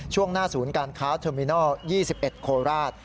ช่วงหน้าศูนย์การค้าเทอร์มินอล๒๑โคราช